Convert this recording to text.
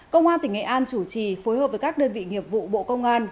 công an tỉnh nghệ an chủ trì phối hợp với các đơn vị nghiệp vụ bộ công an